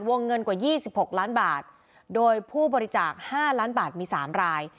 วงเงินกว่า๒๖ล้านบาทโดยผู้บริจาค๕ล้านบาทมี๓ราย